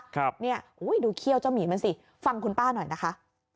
ครับเนี่ยอุ้ยดูเขี้ยวเจ้าหมีมันสิฟังคุณป้าหน่อยนะคะ